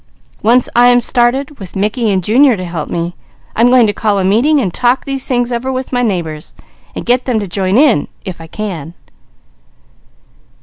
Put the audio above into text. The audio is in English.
Once I am started, with Mickey and Junior to help me, I'm going to call a meeting and talk these things over with my neighbours, and get them to join in if I can.